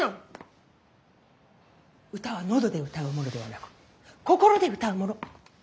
歌は喉で歌うものではなく心で歌うもの。